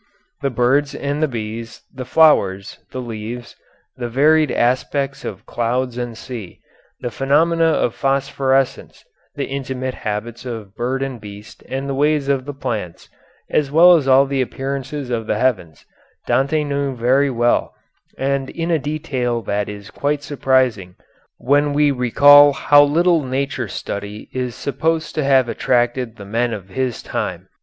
The birds and the bees, the flowers, the leaves, the varied aspects of clouds and sea, the phenomena of phosphorescence, the intimate habits of bird and beast and the ways of the plants, as well as all the appearances of the heavens, Dante knew very well and in a detail that is quite surprising when we recall how little nature study is supposed to have attracted the men of his time.